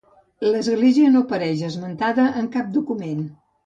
L'església no apareix esmentada en cap document.